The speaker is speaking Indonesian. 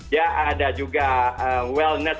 ya ada juga wellness